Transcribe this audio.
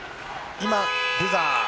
今、ブザー。